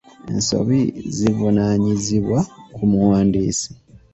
Ensobi zivunaanyizibwa ku muwandiisi.